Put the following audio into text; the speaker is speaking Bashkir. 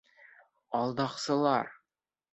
Алдаҡсылар!